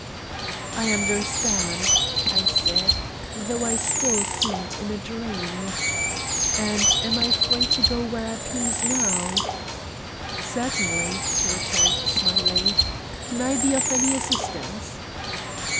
"I understand," I said, though I still seemed in a dream. "And am I free to go where I please now?" "Certainly," he returned, smiling. "Can I be of any assistance?"